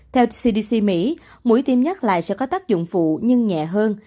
theo cdc mỹ mũi tiêm nhắc lại sẽ có tác dụng phụ nhưng nhẹ hơn